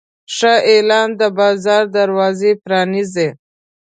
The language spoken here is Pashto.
ښه اعلان د بازار دروازې پرانیزي.